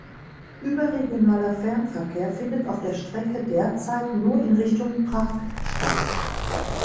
Überregionaler Fernverkehr findet auf der Strecke derzeit nur in Richtung Prag statt.